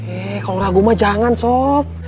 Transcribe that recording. eh kalau ragu mah jangan sop